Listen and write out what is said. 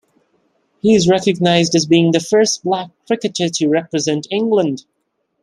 He is recognised as being the first black cricketer to represent England.